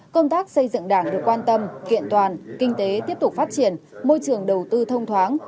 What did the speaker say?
công tác xây dựng đảng được quan tâm kiện toàn kinh tế tiếp tục phát triển môi trường đầu tư thông thoáng